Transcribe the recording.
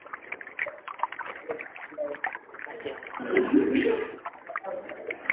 Siapa yang kena cubit, itulah yang merasa sakit